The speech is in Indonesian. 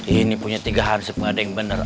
ini punya tiga hansip ada yang benar